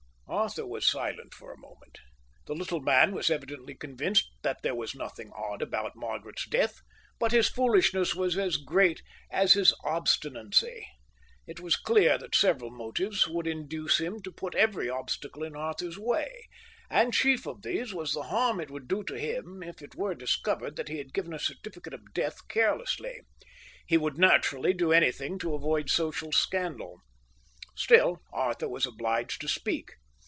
Arthur was silent for a moment. The little man was evidently convinced that there was nothing odd about Margaret's death, but his foolishness was as great as his obstinacy. It was clear that several motives would induce him to put every obstacle in Arthur's way, and chief of these was the harm it would do him if it were discovered that he had given a certificate of death carelessly. He would naturally do anything to avoid social scandal. Still Arthur was obliged to speak.